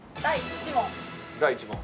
第１問。